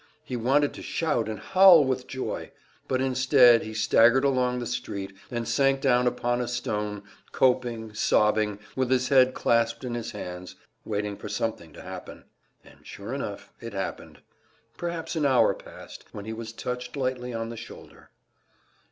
He wanted to shout and howl with joy. But instead he staggered along the street, and sank down upon a stone coping, sobbing, with his head clasped in his hands, waiting for something to happen. And sure enough, it happened. Perhaps an hour passed, when he was touched lightly on the shoulder.